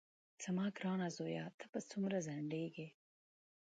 زما ګرانه زویه ته به څومره ځنډېږې.